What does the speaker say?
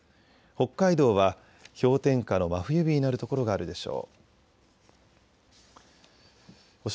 北海道は氷点下の真冬日になる所があるでしょう。